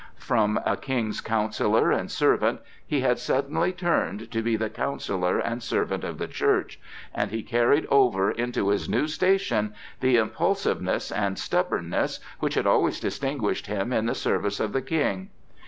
From a King's counsellor and servant he had suddenly turned to be the counsellor and servant of the Church, and he carried over into his new station the impulsiveness and stubbornness which had always distinguished him in the service of the King.